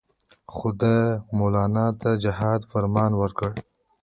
خو ده مولنا ته د جهاد فرمان ورکړ.